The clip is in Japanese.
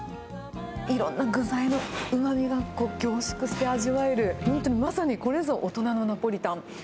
いろんな具材のうまみが凝縮して味わえる、本当にまさにこれぞ大人のナポリタン。